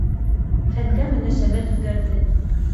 Фәнгә мөнәсәбәт үҙгәрҙе.